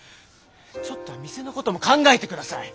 ちょっとは店のことも考えてください。